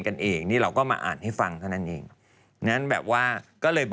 แต่ว่ามารู้ใจกับแมทท์เนี่ย